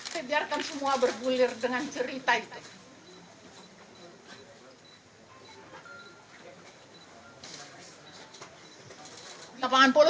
saya biarkan semua berbulir dengan cerita itu